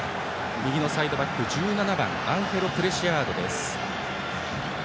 右のサイドバック、１７番プレシアードです。